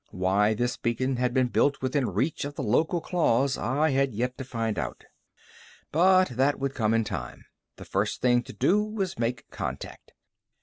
Why this beacon had been built within reach of the local claws, I had yet to find out. But that would come in time. The first thing to do was make contact.